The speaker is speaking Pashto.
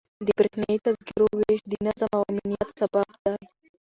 د بریښنایي تذکرو ویش د نظم او امنیت سبب دی.